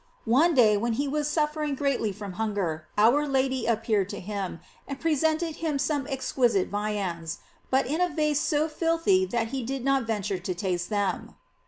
One day when he wai suffering greatly from hunger, our Lady ap peared to him, and presented him some exquisite viands, but in a vase so filthy that he did not venture to taste them.